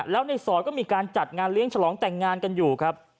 แล้วในซอยก็มีการจัดงานเลี้ยงฉลองแต่งงานกันอยู่ครับ